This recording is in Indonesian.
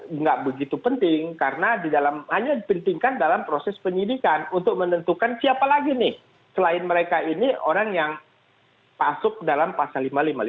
karena itu tidak begitu penting karena hanya dipentingkan dalam proses penyidikan untuk menentukan siapa lagi nih selain mereka ini orang yang masuk dalam pasal lima ribu lima ratus lima puluh enam